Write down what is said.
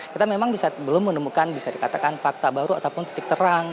kita memang belum menemukan bisa dikatakan fakta baru ataupun titik terang